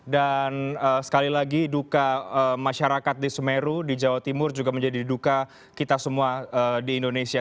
dan sekali lagi duka masyarakat di sumeru di jawa timur juga menjadi duka kita semua di indonesia